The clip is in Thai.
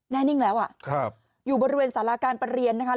แน่นิ่งแล้วอยู่บริเวณสาราการประเรียนนะคะ